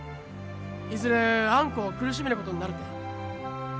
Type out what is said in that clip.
いずれあんこを苦しめることになるて。